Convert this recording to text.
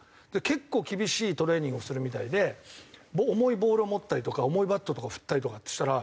結構厳しいトレーニングをするみたいで重いボールを持ったりとか重いバットとかを振ったりとかってしたら。